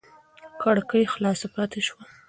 کړکۍ خلاصه پاتې وه.